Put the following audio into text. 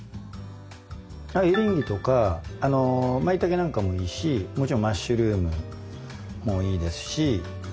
エリンギとかまいたけなんかもいいしもちろんマッシュルームもいいですし。